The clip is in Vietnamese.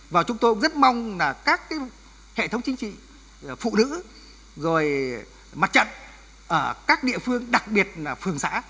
và chúng tôi cũng rất mong các hệ thống chính trị phụ nữ mặt trận các địa phương đặc biệt là phường xã